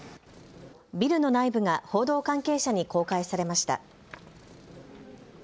ビルの内部が報道関係者に公開されました。